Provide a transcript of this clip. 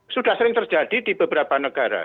sudah sering terjadi di beberapa negara